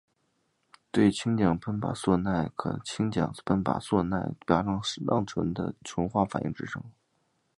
对羟基苯甲酸酯可由对羟基苯甲酸加上适当的醇的酯化反应制成。